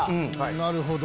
なるほど。